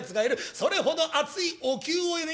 それほど熱いお灸をね